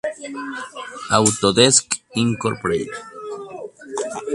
Autodesk Inc.